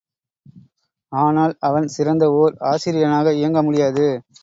ஆனால், அவன் சிறந்த ஓர் ஆசிரியனாக இயங்க முடியாது!